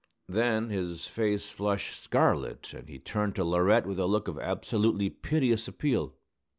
Then his face flushed scarlet, and he turned to Laurette with a look of absolutely piteous appeal.